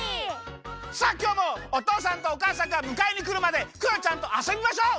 さあきょうもおとうさんとおかあさんがむかえにくるまでクヨちゃんとあそびましょう！